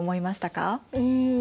うん。